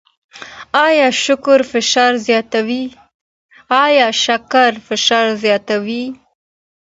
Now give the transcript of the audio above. ایا شکر فشار زیاتوي؟